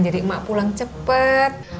jadi mak pulang cepet